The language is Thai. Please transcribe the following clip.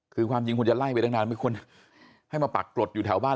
คือความจริงคุณจะไล่ไปตั้งนานไม่ควรให้มาปรากฏอยู่แถวบ้าน